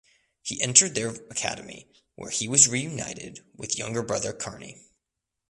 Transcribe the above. He entered their Academy where he was reunited with younger brother Carney.